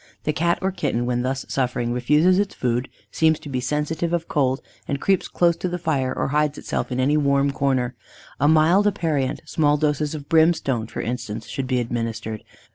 The Cat or Kitten, when thus suffering, refuses its food, seems to be sensitive of cold, and creeps close to the fire or hides itself in any warm corner. A mild aperient small doses of brimstone, for instance should be administered.